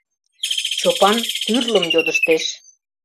Чопан тӱрлым йодыштеш.